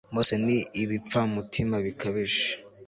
bose ni ibipfamutima bikabije